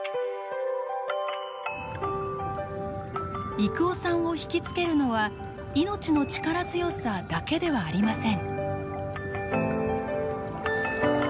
征夫さんを引き付けるのは命の力強さだけではありません。